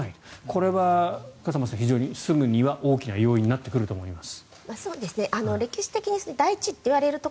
これは笠松さん住むには非常に大きな要因になってくると思います。